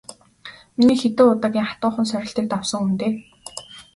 Миний хэдэн удаагийн хатуухан сорилтыг давсан хүн дээ.